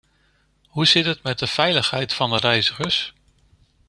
Hoe zit het met de veiligheid van de reizigers?